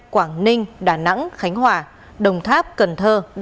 tỏ ra ngon cố